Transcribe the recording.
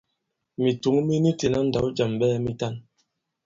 Mìtǔŋ mi ni itē ìna ndǎw jàm ɓɛɛ mitan.